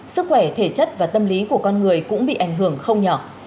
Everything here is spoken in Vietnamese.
sức khỏe thể chất và tâm lý của con người cũng bị ảnh hưởng không nhỏ